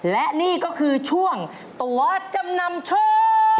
และนี่ก็คือช่วงตัวจำนำโชค